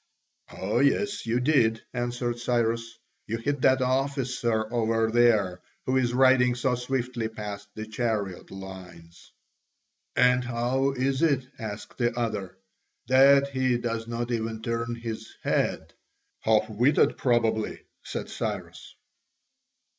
"Oh yes, you did," answered Cyrus, "you hit that officer over there who is riding so swiftly paste the chariot lines." "And how is it," asked the other, "that he does not even turn his head?" "Half witted, probably," said Cyrus.